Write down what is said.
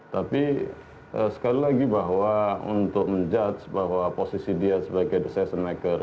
tapi sekali lagi bahwa untuk menilai bahwa posisi dia sebagai decision maker